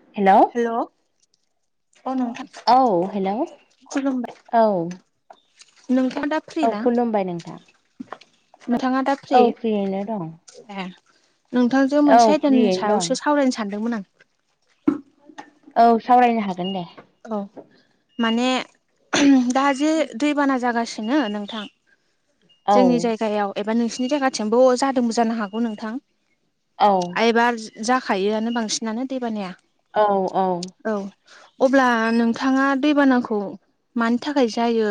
Hello hello अ नोंथां औ हेलौ खुलुमबाय औ नोंथाङा दा फ्रि औ ना खुलुमबाय नोंथां नोंथाङा दा फ्रि औ फ्रियैनो दं ए नोंथांजों औ मोनसे आयदानि फ्रियैनो दं सायावसो सावरायनो सानदोंमोन आं औ सावरायनो हागोन दे औ माने दा जे दैबाना जागासिनो नोंथां औ जोंनि जायगायाव एबा नोंसोरनि जायगाथिंबो जादोंबो जानो हागौ नोंथां औ एइबार जाखायोआनो बांसिनानो दैबानाया औ औ औ अब्ला नोंथाङा दैबानाखौ मानि थाखाय जायो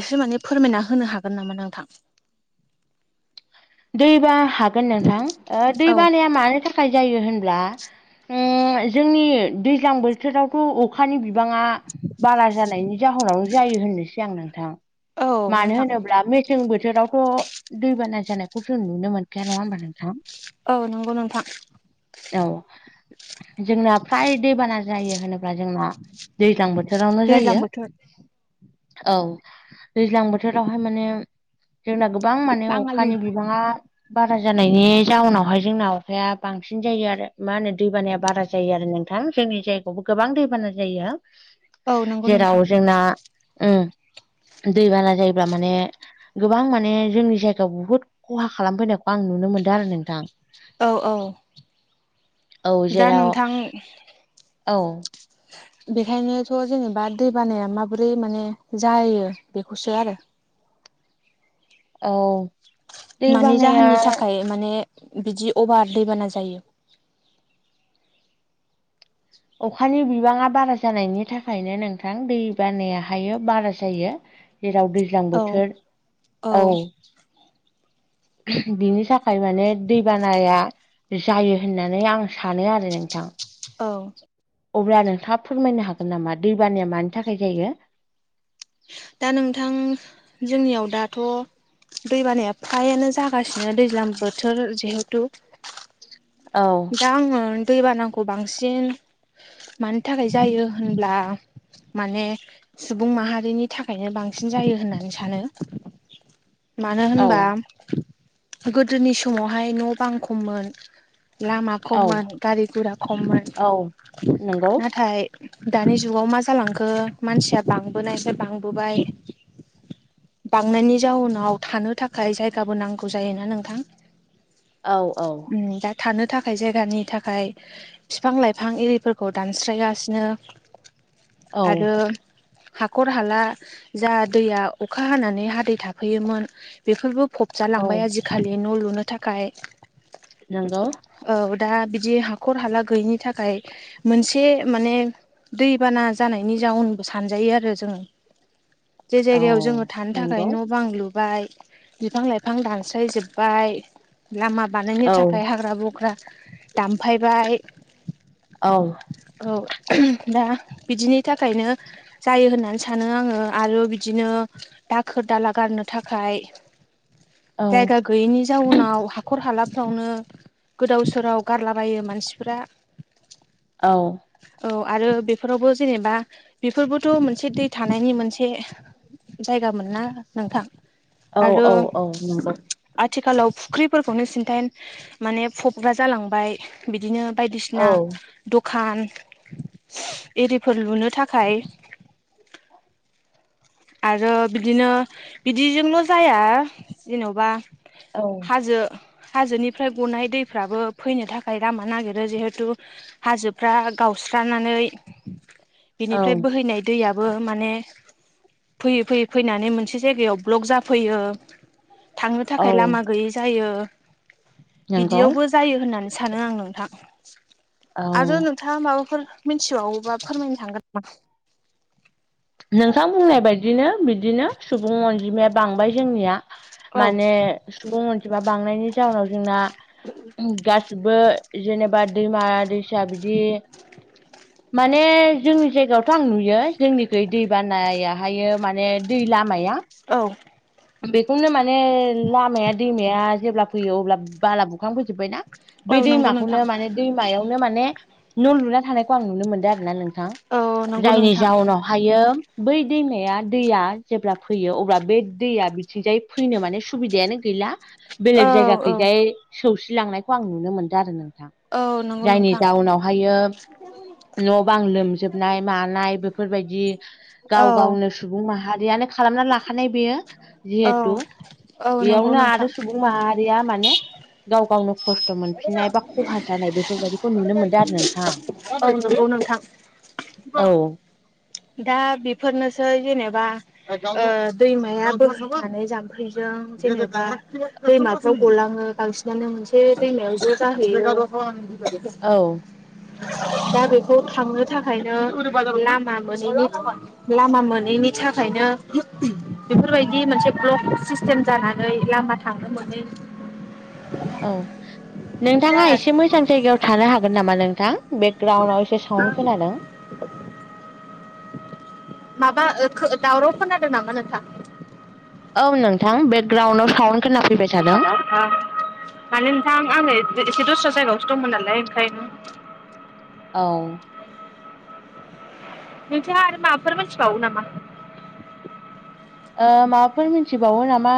एसे माने फोरमायना होनो हागोन नामा नोंथां दै बा हागोन नोंथां दै औ बानाया मानि था खाय जायो होनब्ला उम जोंनि दैज्लां बोथोराव थ' अखानि बिबाङा बारा जानायनि जाहोनावनो जायो होननोसै आं नोंथां औ मानो नोंथां होनोब्ला मेसें बोथोरावथ' दैबाना जानाय खौ जों नुनो मोनखाया नङा होमबा नोंथां औ नंगौ नोंथां औ जोंना फ्राय दैबाना जायो होनो ब्ला दैज्लां बोथोरावनो दैज्लां जायो बोथोर औ दैज्लां बोथोरावहाय माने जोंना गोबां माने बाङालि अखानि बि थाङा बारा जानायनि जाउनावहाय जोंना अखाया बांसिन जायो आरो मा होनो दैबानाया बारा जायो आरो नों थां जोंनि जायगायावबो गोबां दैबाना जायो औ नंगौ नोंथां जेराव जोंना उम दै बाना जायोब्ला माने गोबां माने जोंनि जायगायाव बुहुद खहा खालामफैनायखौ आं नुनो मोनदों आरो नोंथां औ औ औ दा जेराव नोंथां औ [inaudible] बेखायनोथ' जेनेबा दै बानाया माबोरै माने जायो बेखौसो आरो औ दै मानि बानाया जाहोननि थाखाय माने बिदि अभार दैबाना जायो अखानि बिबाङा बारा जानायनि थाखायनो नोंथां दै बानाया हायो बारा जायो जेराव दैज्लां औ बोथोर औ [inaudible] बिनि थाखाय माने दैबानाया जायो होननानै आं सानो आरो नोंथां औ अब्ला नोंथाङा फोरमायनो हागोन नामा दैबानाया मानि थाखाय जायो दा नोंथां जोंनियाव दाथ' दै बानाया फ्रायानो जागासिनो दैज्लां बोथोर जिहेथु औ दा आङो दैबानाखौ बांसिन मानि थाखाय जायो होनब्ला माने सुबुं माहारिनि थाखायनो बांसिन जायो होननानै सानो मानो औ होनबा गोदोनि समावहाय न' बां खममोन लामा औ खममोन गारि गुरा खममोन औ नंगौ नाथाय दानि जुगाव मा जालांखो मानसिया बांबोनायसाय बांबोबाय बांनायनि जाउनाव थानो थाखाय जायगाबो नांगौ जायोना नोंथां औ औ उम दा थानो थाखाय जायगानि थाखाय बिफां लाइफां एरिफोरखौ दानस्रां गासिनो औ आरो हाखर हाला जा दैया अखा हानानै हादै थाफैयोमोन बेफोरबो औ फबजालांबाय आजिखालि न' लुनो थाखाय नंगौ औ दा बिदि हाखर हाला गैयैनि थाखाय मोनसे माने दैबाना जानायनि जाउनबो सानजायो आरो जोङो जे औ जायगायाव जोङो थानो थाखाय नंगौ न' बां लुबाय बिफां लाइफां दानस्रायजोब्बाय लामा बानायनो औ थाखाय हाग्रा ग्रा बख्रा दामफायबाय औ औ दा बिदिनि थाखायनो जायो होननानै सानो आङो आरो बिदिनो दाखोर दाला गारनो थाखाय औ जायगा गैयैनि जाउनाव हाखर हालाफ्रावनो गोदाव सोराव गारलाबायो मानसिफोरा औ औ आरो बेफोरावबो जेनेबा बेफोरबोथ' मोनसे दै थानायनि मोनसे जायगा मोन ना नोंथां औ आरो औ औ नंगौ आथिखालाव फुख्रिफोरखौनो सिन्थाय माने फबग्रा जालांबाय बिदिनो बायदिसिना औ दखान एरिफोर लुनो थाखाय आरो बिदिनो बिदिजोंल' जाया जेन'बा औ हाजो हाजोनिफ्राय गनाय दैफ्राबो फैनो थाखाय लामा नागिरो जिहेथु हाजोफ्रा गावस्रानानै बिनिफ्राय औ बोहैनाय दैयाबो माने फैयै फैयै फैनानै मोनसे जायगायाव ब्ल'क जाफैयो थांनो थाखाय औ लामा गैयि जायो नंगौ बिदियावबो जायो होननानै सानो आं नोंथां औ आरो नोंथाङा माबाफोर मिथिबावोबा फोरमायनो थांगोन नामा नोंथां बुंनाय बादिनो बिदिनो सुबुं अनजिमाया बांबाय जोंनिया औ माने सुबुं अनजिमा बांनायनि जाहोनाव जोंना गासिबो जेनेबा दैमा दैसा बिदि माने जोंनि जायगायावथ' आं नुयो जोंनि गै दै बानायाहायो माने दै लामाया औ बेखौनो माने लामाया दैमाया जेब्ला फैयो अब्ला बाला बुखांफैजोबबायना औ बे नंगौ नोंथां दैमाखौनो माने दैमायावनो माने न' लुना थानायखौ आं नुनो मोनदों आरोना नों थां औ नंगौ जायनि नोंथां जाउनाव हायो बै दैमाया दैया जेब्ला फैयो अब्ला बे दैया बिथिंजाय फैनो माने सुबिदायानो गैला औ बेलेग औ जायगाखैजाय सौसिलांनायखौ आं नुनो मोनदों आरो नोंथां औ नंगौ जायनि नोंथां जाउनावहायो न' बां लोमजोब हुरनाय मानाय बेफोरबायदि गाव औ गावनो सुबुं माहारियानो खालामना लाखानाय बेयो औ जिहेथु औ नंगौ बेयावनो आरो नोंथां सुबुं माहारिया माने गाव गावनो खस स्थ' मोनफिननाय बा खहा जानाय बेफोर बादिखौ नुनो मोनदों आरो नोंथां औ नंगौ नोंथां औ दा बेफोरनोसै जेनेबा दैमाया बोहायनानै जाम्फैजों जेनेबा दैमाफ्राव गलाङो बांसिनानो मोनसे दैमायाव ज' जाहैयो आ औ दा बेखौ थांनो थाखायनो लामा मोनैनि लामा मोनैनि थाखायनो बेफोरबायदि मोनसे ब्लक सिस्टेम जानानै लामा थांनो मोनै औ नोंथाङा जानानै एसे मोजां जायगायाव थानो हागोन नामा नोंथां आं बेकग्राउन्डआव एसे साउन्ड [inaudible] खोनादों माबा दावराव खोनादों नामा नोंथां औ नोंथां बेगराउन्डआव साउन्ड खोनाफैदों माने नोंथां आङो एसे दस्रा जायगायावसो दंमोन नालाय ओंखायनो औ नोंथाङा आरो माबाफोर मोनथिबावो नामा ओ माबाफोर मिथिबावो नामा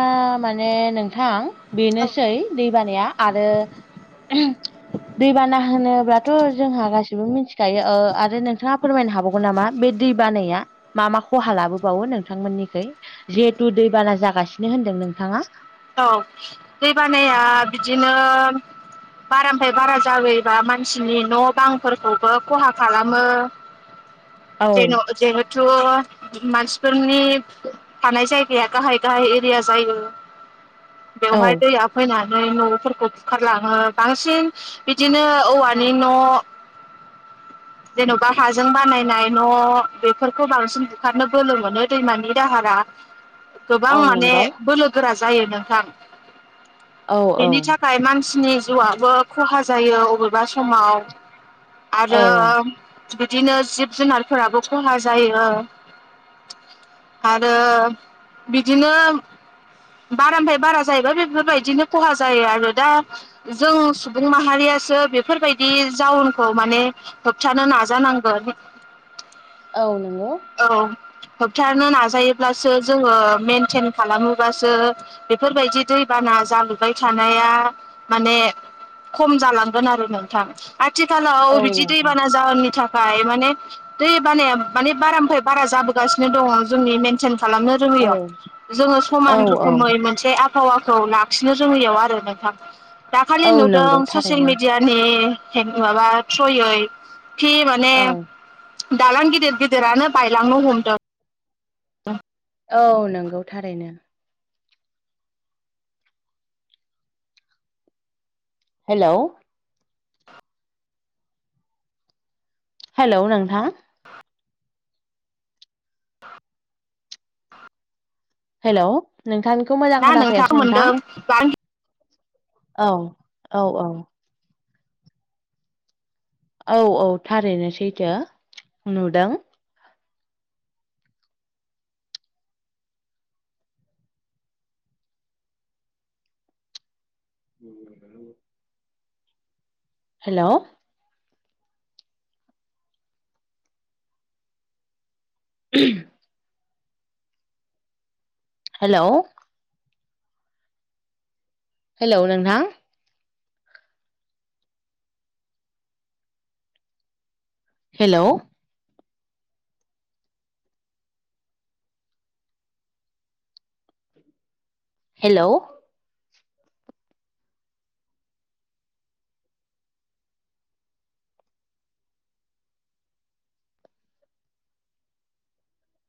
माने नोंथां औ बेनोसै दै बानाया आरो दैबाना होनोब्लाथ' जोंहा गासिबो मिथिखायो आरो नोंथाङा फोरमायनो हाबावो नामा बे दै बानाया मा मा खहा लाबोबावो नोंथांमोननिखै जिहेथु दैबाना जागासिनो होनदों नोंथाङा औ दै बानाया बिदिनो बारानिफ्राय बारा जाबोयोबा मानसिनि न' बांफोरखौबो खहा खालामो औ जे जिहेथु मानसिफोरनि थानाय जाय गाया गाहाय गाहाय एरिया जायो औ बेवहाय दैया फैनानै न'फोरखौ बुखारलाङो बांसिन बिदिनो औवानि न' जेन'बा हाजों बानायनाय न' बेफोरखौ बांसिन बुखारनो बोलो मोनो दैमानि दाहारा गोबां औ माने नंगौ बोलो गोरा जायो नोंथां औ औ बेनि थाखा य मानसिनि जिउआबो खहा जायो अबेबा समाव आरो औ बिदिनो जिब जुनारफोराबो खहा जायो आरो बिदिनो बारानिफ्राय बारा जाहैबाय बेफोरबायदिनो खहा जायो आरो दा जों सुबुं माहारियासो बेफोरबायदि जाउनखौ माने होबथानो नाजानांगोन औ नोंगौ औ होबथानो नाजायोब्लासो जोङो मेनटेन खालामोबासो बेफोरबायदि दैबाना जालुबाय थानाया माने खम जालांगोन आरो नोंथां आथिखालाव औ बिदि नोंथां दैबाना जाहोननि थाख माने दै बानाया माने बारानिफ्राय बारा जाबोगासिनो दङ जोंनि मेनटेन खालामनो औ रोङैयाव जोङो औ समान औ रोखोमै मोनसे आबहावाखौ लाखिनो जोंनियाव आरो नोंथां दाखालि औ नंगौ नुदों ससियेल थारैनो मिडिया नि माबा थ्रयै थि माने औ दालां गिदिर गिदिरानो बायलांनो हमदों। औ औ नंगौ थारैनो। हेलौ हेल' नोंथां [inaudible] हेल' नोंथांखौ मोजां खोनाफैयासै नोंथां? [unintelligible] औ औ औ औ औ थारैनो सैथो ओ नुदों। [unintelligible] हेलौ [unintelligible] हेलौ हेलौ नोंथां हेलौ हेलौ